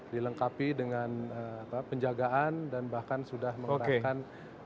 dilengkapi dengan penjagaan dan bahkan sudah menggunakan